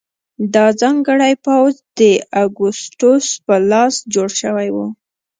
دا ځانګړی پوځ د اګوستوس په لاس جوړ شوی و.